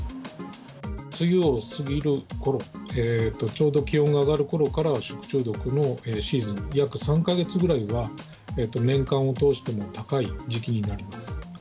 梅雨を過ぎるころ、ちょうど気温が上がるころから食中毒のシーズン、約３か月ぐらいは、年間を通しても高い時期になります。